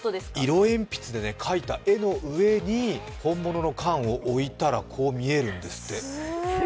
色鉛筆で描いた絵の上に本物の缶を置いたらこう見えるんですって。